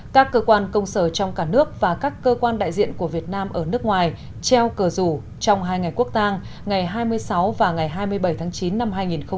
các cơ quan công sở trong cả nước và các cơ quan đại diện của việt nam ở nước ngoài treo cờ rủ trong hai ngày quốc tang ngày hai mươi sáu và ngày hai mươi bảy tháng chín năm hai nghìn một mươi chín